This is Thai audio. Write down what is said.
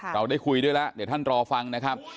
เราได้คุยด้วยแล้วเดี๋ยวท่านรอฟังนะครับ